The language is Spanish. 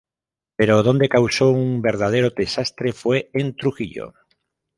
Pero donde causó un verdadero desastre fue en Trujillo.